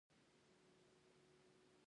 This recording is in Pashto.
ایا اکسرې مو کړې ده؟